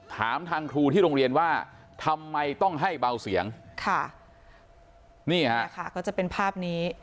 ถามทางครูที่โรงเรียนว่าทำไมต้องให้เบาเสียงค่ะนี่ฮะค่ะก็จะเป็นภาพนี้